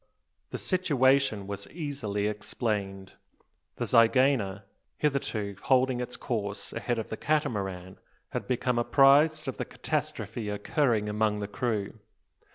The situation was easily explained. The zygaena, hitherto holding its course ahead of the Catamaran, had become apprised of the catastrophe occurring among the crew.